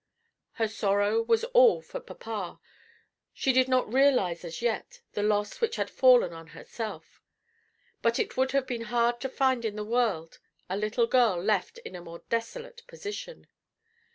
Her sorrow was all for papa; she did not realize as yet the loss which had fallen on herself; but it would have been hard to find in the world a little girl left in a more desolate position.